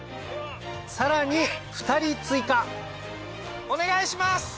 さらに２人追加お願いします！